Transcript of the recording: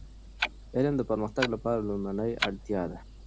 علم د پرمختګ لپاره لومړنی اړتیا ده.